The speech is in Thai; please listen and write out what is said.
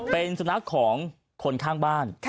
เป็นสุนัขของคนข้างบ้าน